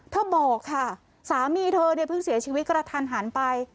เธอบอกค่ะสามีเธอเพิ่งเสียชีวิตกระทันหารไป